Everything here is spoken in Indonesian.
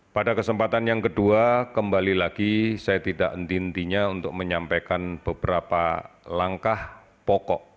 pada kesempatan yang kedua kembali lagi saya tidak henti hentinya untuk menyampaikan beberapa langkah pokok